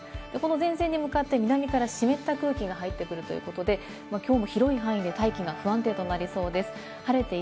この前線に向かって南から湿った空気が入ってくるということで、きょうも広い範囲で、大気が不安定となりそうです。